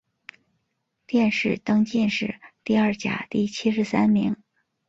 殿试登进士第二甲第七十三名。